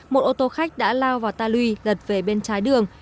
một ô tô khách đã lao vào ta lùi lật về bên trái đường